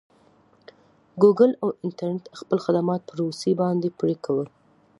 ګوګل او انټرنټ خپل خدمات په روسې باندې پري کوي.